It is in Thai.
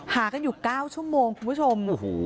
หากันอยู่๙ชั่วโมงคุณผู้ชม